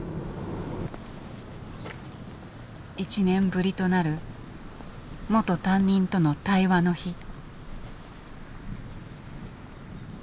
１年ぶりとなる元担任との対話の日。